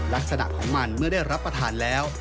ลักษณะของมันเมื่อได้รับประทานแล้ว